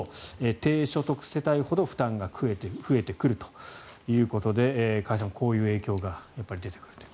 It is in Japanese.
低所得世帯ほど負担が増えてくるということで加谷さん、こういう影響がやっぱり出てくると。